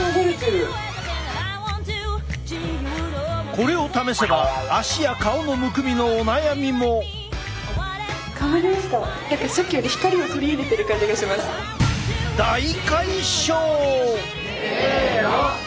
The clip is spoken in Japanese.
これを試せば足や顔のむくみのお悩みも！せの！